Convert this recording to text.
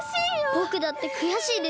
ぼくだってくやしいです。